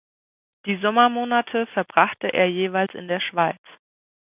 Die Sommermonate verbrachte er jeweils in der Schweiz.